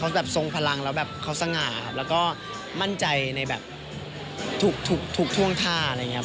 แบบทรงพลังแล้วแบบเขาสง่าครับแล้วก็มั่นใจในแบบทุกท่วงท่าอะไรอย่างนี้